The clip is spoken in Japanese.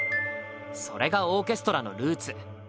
それがオーケストラのルーツ。